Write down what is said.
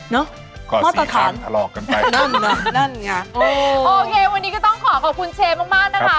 เนอะหม้อตัดขานนั่นไงโอเควันนี้ก็ต้องขอขอบคุณเชฟมากนะคะ